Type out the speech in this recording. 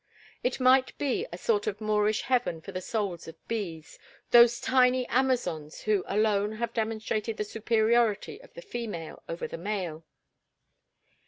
It might be a sort of Moorish heaven for the souls of bees, those tiny amazons who alone have demonstrated the superiority of the female over the male.